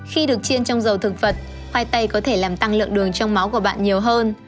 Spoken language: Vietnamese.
khi được chiên trong dầu thực vật khoai tây có thể làm tăng lượng đường trong máu của bạn nhiều hơn